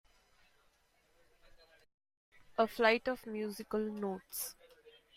A flight of musical notes.